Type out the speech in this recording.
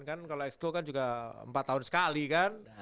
kan kalau exco kan juga empat tahun sekali kan